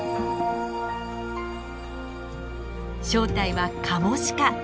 正体はカモシカ。